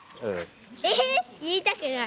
えっ言いたくない。